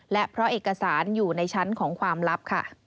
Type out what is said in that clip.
และเพราะเอกสารอยู่ในชั้นของความลับค่ะ